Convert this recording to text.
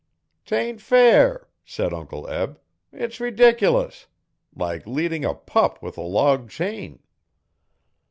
''Tain't fair,' said Uncle Eb, 'its reedic'lous. Like leading a pup with a log chain.'